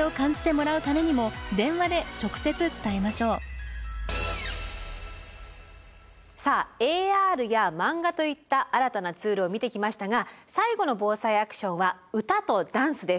エアコンのさあＡＲやマンガといった新たなツールを見てきましたが最後の「ＢＯＳＡＩアクション」は歌とダンスです。